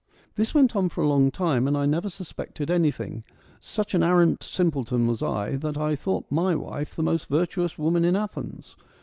This went on for a long time and I never suspected anything. Such an arrant simpleton was I that I thought my wife the most virtuous woman in Athens.